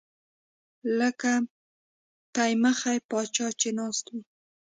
لکه پۍ مخی پاچا چې ناست وي